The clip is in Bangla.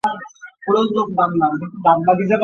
এই বলিয়া বিনয়ভূষণের হাতে এক পত্র দিল।